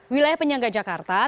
wilayah penyangga jakarta